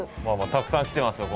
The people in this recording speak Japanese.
たくさん来てますよ